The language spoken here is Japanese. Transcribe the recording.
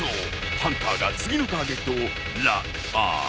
ハンターが次のターゲットをロックオン！